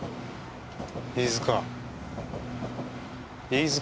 飯塚。